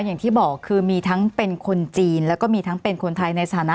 อย่างที่บอกคือมีทั้งเป็นคนจีนแล้วก็มีทั้งเป็นคนไทยในสถานะ